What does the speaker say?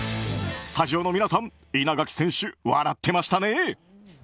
スタジオの皆さん稲垣選手、笑ってましたね。